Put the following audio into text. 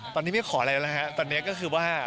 ตอนนี้ไม่ขออะไรแล้วฮะตอนนี้ก็คือว่า